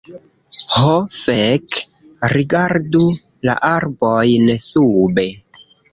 Ho fek! Rigardu la arbojn sube